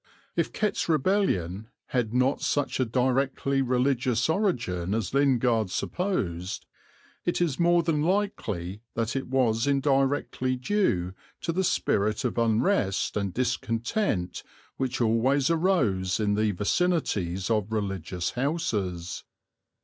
If Kett's Rebellion had not such a directly religious origin as Lingard supposed, it is more than likely that it was indirectly due to the spirit of unrest and discontent which always arose in the vicinities of religious houses.